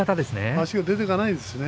足が出ていかないですね。